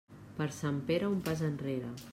Per Sant Pere, un pas enrere.